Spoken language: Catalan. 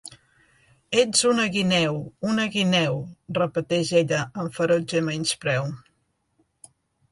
"Ets una guineu, una guineu", repeteix ella amb ferotge menyspreu.